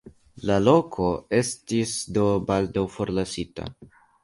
La loko estis do baldaŭ forlasita.